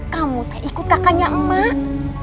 kamu ikut kakaknya emak